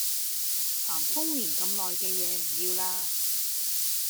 咸豐年咁耐嘅嘢唔要喇